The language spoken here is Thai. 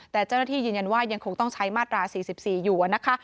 แต่เจ้าหน้าที่ยืนยันว่ายังคงต้องใช้มาตรา๔๔อยู่นะคะ